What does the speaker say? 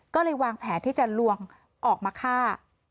ก็เลยวางแผนที่จะลวงออกมาฆ่า